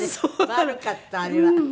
悪かったあれは。